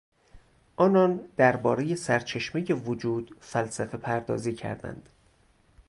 آنان دربارهی سرچشمهی وجود فلسفه پردازی کردند.